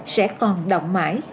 sẽ còn động mãi